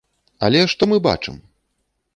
Але што мы бачым?